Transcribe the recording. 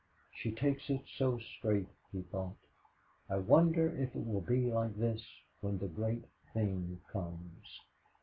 "She takes it so straight," he thought. "I wonder if it will be like this when the great thing comes."